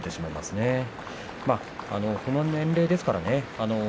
この年齢ですからね。